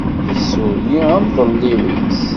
Yessuli amḍelliw-is.